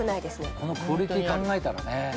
このクオリティー考えたらね。